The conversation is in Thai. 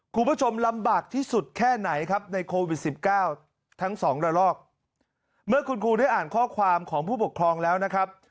คุณผู้ชมลำบากที่สุดแค่ไหนครับในโควิดสิบเก้าทั้งสองระลอกเมื่อคุณครูได้อ่านข้อความของผู้ปกครองแล้วนะครับ